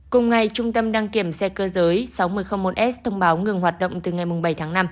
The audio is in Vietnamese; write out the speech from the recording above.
cùng ngày trung tâm đăng kiểm xe cơ giới sáu nghìn một s thông báo ngừng hoạt động từ ngày bảy tháng năm